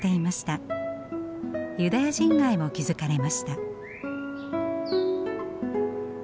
ユダヤ人街も築かれました。